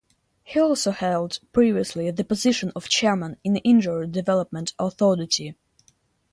He also held previously the position of chairman in Indore Development Authority.